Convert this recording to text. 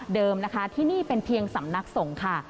นะคะที่นี่เป็นเพียงสำนักสงฆ์ค่ะ